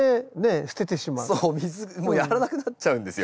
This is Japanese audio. もうやらなくなっちゃうんですよ。